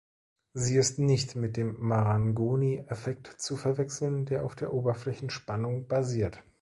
Sie ist nicht mit dem Marangoni-Effekt zu verwechseln, der auf der Oberflächenspannung basiert.